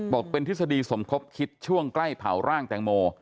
บอกเป็นทฤษฎีสมคบคิดช่วงใกล้เผาร่างแตงโม